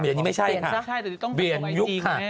อ๋อเบียนนี้ไม่ใช่ค่ะเบียนยุคค่ะ